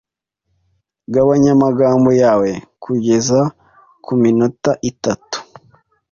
Gabanya amagambo yawe kugeza ku minota itatu.